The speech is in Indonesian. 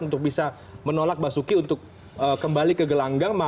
untuk bisa menolak basuki untuk kembali ke gelanggang